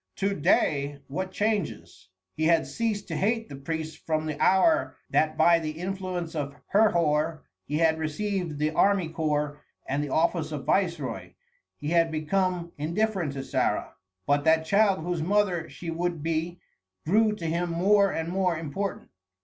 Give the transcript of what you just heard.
To day what changes! He had ceased to hate the priests from the hour that by the influence of Herhor he had received the army corps and the office of viceroy. He had become indifferent to Sarah, but that child whose mother she would be grew to him more and more important.